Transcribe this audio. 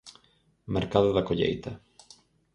Mercado da Colleita.